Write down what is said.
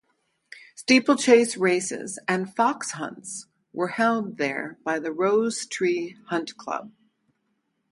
Steeplechase races and fox hunts were held there by the Rose Tree Hunt Club.